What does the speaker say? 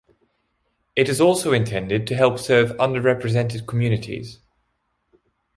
It is also intended to help serve under-represented communities.